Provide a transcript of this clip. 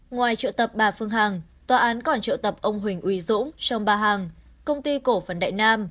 ngoài triệu tập bà phương hằng tòa án còn triệu tập ông huỳnh uy dũng trong bà hằng công ty cổ phần đại nam